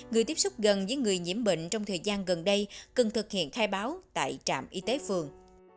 người tiếp xúc gần với người nhiễm bệnh trong thời gian gần đây cần thực hiện khai báo tại trạm y tế phường